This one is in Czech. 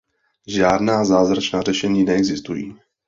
Žádná zázračná řešení neexistují.